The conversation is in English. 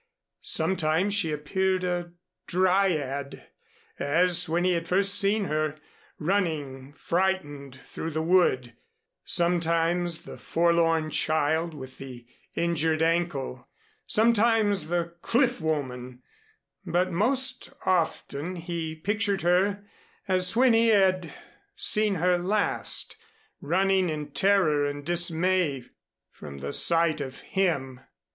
Sometimes she appeared a Dryad, as when he had first seen her, running frightened through the wood, sometimes the forlorn child with the injured ankle, sometimes the cliff woman; but most often he pictured her as when he had seen her last, running in terror and dismay from the sight of him.